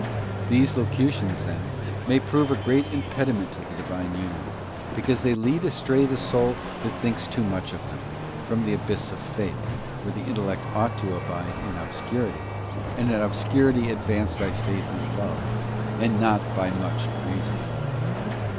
These locutions, then, may prove a great impediment to the Divine union, because they lead astray the soul, that thinks much of them, from the abyss of Faith, where the intellect ought to abide in obscurity, and in obscurity advance by faith in love, and not by much reasoning.